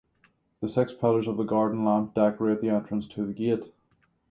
The six pillars of the garden lamp decorate the entrance to the gate.